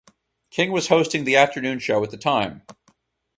King was hosting the afternoon show at the time.